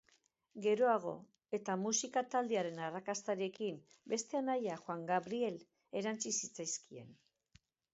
Geroago, eta musika-taldearen arrakastarekin, beste anaia, Juan Gabriel, erantsi zitzaizkien.